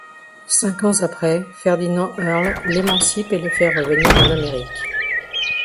Cinq ans après, Ferdinand Earle l'émancipe et le fait revenir en Amérique.